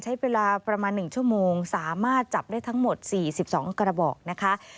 ใช้เวลาประมาณ๑ชั่วโมงสามารถจับได้ทั้งหมด๔๒กระบอกนะคะ